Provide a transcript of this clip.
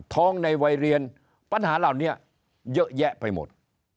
ในวัยเรียนปัญหาเหล่านี้เยอะแยะไปหมด